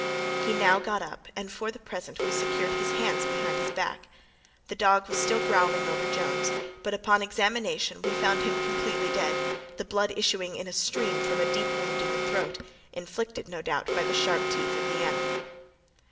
He now got up, and, for the present, we secured his hands behind his back. The dog was still growling over Jones; but, upon examination, we found him completely dead, the blood issuing in a stream from a deep wound in the throat, inflicted, no doubt, by the sharp teeth of the animal.